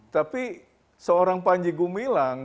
tapi seorang panji gumilang